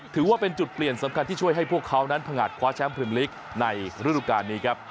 ถือว่าเป็นจุดเปลี่ยนสำคัญที่ช่วยให้พวกเขานั้นผงัดคว้าแชมปริมลิกในฤดูการนี้ครับ